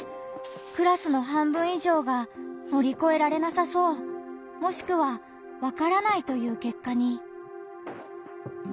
クラスの半分以上が「乗り越えられなさそう」もしくは「わからない」という結果に。